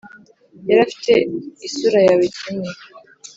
yari afite isura yawe, kimwe